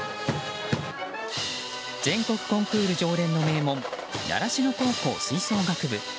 全国コンクール常連の名門習志野高校吹奏楽部。